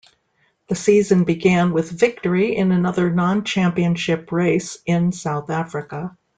The season began with victory in another non-Championship race, in South Africa.